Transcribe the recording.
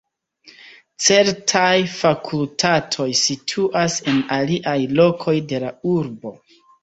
Certaj fakultatoj situas en aliaj lokoj de la urbo.